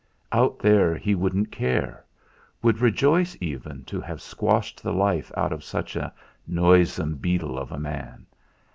Out there he wouldn't care, would rejoice even to have squashed the life out of such a noisome beetle of a man.